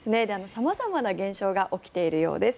様々な現象が起きているようです。